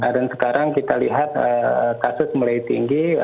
dan sekarang kita lihat kasus mulai tinggi